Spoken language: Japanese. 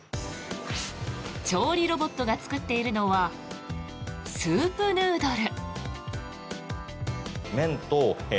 調理ロボットが作っているのはスープヌードル。